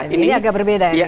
ini agak berbeda ya